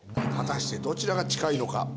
果たしてどちらが近いのか？